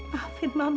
maafin mama ya sayang